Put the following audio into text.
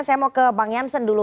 saya mau ke bang jansen dulu